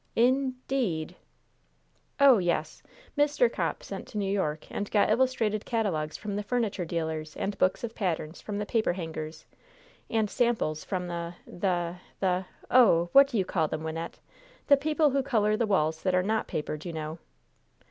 "In deed!" "Oh, yes! Mr. Copp sent to New York and got illustrated catalogues from the furniture dealers and books of patterns from the paper hangers, and samples from the the the oh! what do you call them, Wynnette? the people who color the walls that are not papered, you know?"